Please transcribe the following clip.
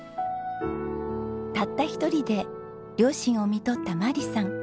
たった一人で両親をみとった眞理さん。